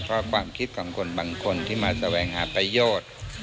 เพราะความคิดของคนบางคนที่มาแสวงหาประโยชน์